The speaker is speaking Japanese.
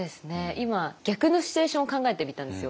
今逆のシチュエーションを考えてみたんですよ。